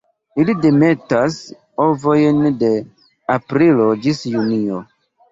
Ili demetas ovojn de aprilo ĝis junio.